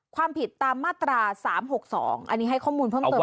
ความผิดตามมาตราสามหกสองอันนี้ให้ข้อมูลเพิ่มเติมเนอะ